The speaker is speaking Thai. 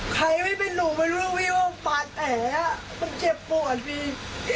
ใครไม่เป็นหนูไม่รู้พี่ว่าบาดแผลมันเจ็บปวดพี่